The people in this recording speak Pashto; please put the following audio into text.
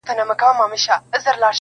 کرونا راغلې پر خلکو غم دی-